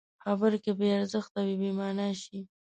خبرې که بې ارزښته وي، بېمانا شي.